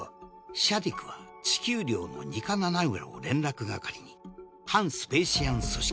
シャディクは地球寮のニカ・ナナウラを連絡係に反スペーシアン組織